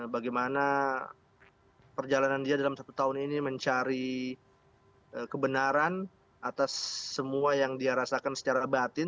bagaimana perjalanan dia dalam satu tahun ini mencari kebenaran atas semua yang dia rasakan secara batin